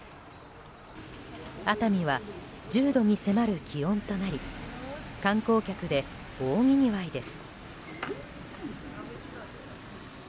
熱海は１０度に迫る気温となり観光客で大にぎわいです。